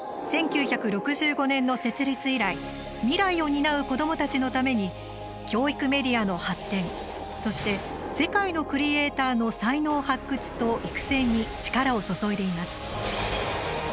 １９６５年の設立以来未来を担う子どもたちのために教育メディアの発展そして世界のクリエーターの才能発掘と育成に力を注いでいます。